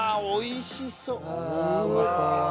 おいしそう。